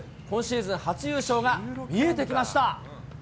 今シーズン初優勝が見えてきまし